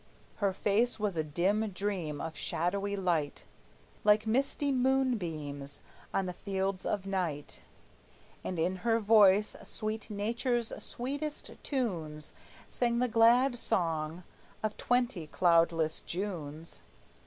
Her face was a dim dream of shadowy light, Like misty moonbeams on the fields of night, And in her voice sweet nature's sweetest tunes Sang the glad song of twenty cloudless Junes.